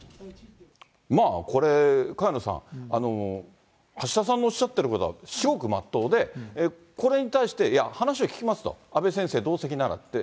まあ、これ、萱野さん、橋田さんのおっしゃってることは至極全うで、これに対して、いや、話を聞きますと、阿部先生、同席ならって。